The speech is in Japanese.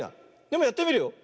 でもやってみるよ。